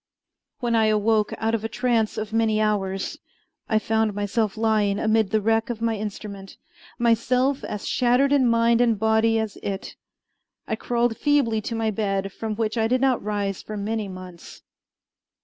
When I awoke out of a trance of many hours, I found myself lying amid the wreck of my instrument, myself as shattered in mind and body as it. I crawled feebly to my bed, from which I did not rise for many months.